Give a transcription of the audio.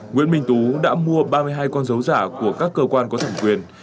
nguyễn minh tú đã mua ba mươi hai con dấu giả của các cơ quan có thẩm quyền